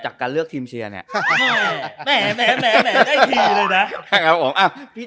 จากการเลือกทีมเชียร์เนี่ย